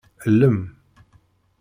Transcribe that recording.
Llem.